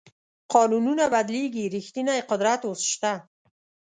قانونونه بدلېږي ریښتینی قدرت اوس شته.